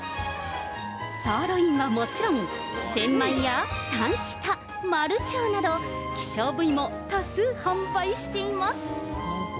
サーロインはもちろん、センマイやタンシタ、マルチョウなど、希少部位も多数販売しています。